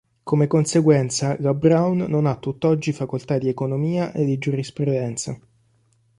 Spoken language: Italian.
Come conseguenza la Brown non ha tutt'oggi facoltà di economia e di giurisprudenza.